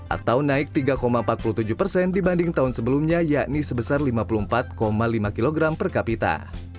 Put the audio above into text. atau naik tiga empat puluh tujuh persen dibanding tahun sebelumnya yakni sebesar lima puluh empat lima kg per kapita